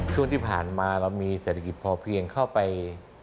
ช่วงที่ผ่านมาเรามีเศรษฐกิจพอเพียงเข้าไป